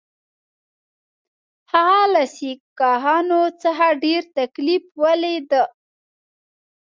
هغه له سیکهانو څخه ډېر تکلیف ولید.